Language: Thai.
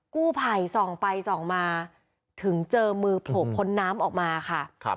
กู้ภัยส่องไปส่องมาถึงเจอมือโผล่พ้นน้ำออกมาค่ะ